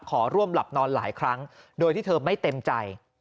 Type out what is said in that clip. ขอร่วมหลับนอนหลายครั้งโดยที่เธอไม่เต็มใจ